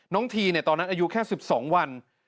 ทีตอนนั้นอายุแค่๑๒วัน